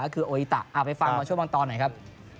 ก็คือโออิตาเอาไปฟังว่าช่วงบางตอนไหนครับ